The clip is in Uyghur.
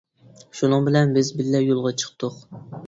شۇنىڭ بىلەن بىز بىللە يولغا يولغا چىقتۇق.